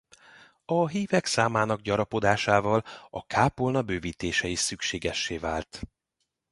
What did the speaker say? A hívek számának gyarapodásával a kápolna bővítése is szükségessé vált.